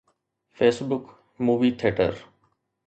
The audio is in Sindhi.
Facebook movie theatre